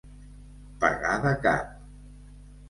Pegar de cap.